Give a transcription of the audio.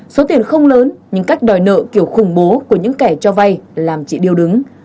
số tiền không lớn nhưng cách đòi nợ kiểu khủng bố của những kẻ cho vay làm chị điêu đứng